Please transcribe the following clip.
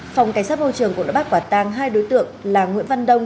phòng cảnh sát môi trường cũng đã bắt quả tang hai đối tượng là nguyễn văn đông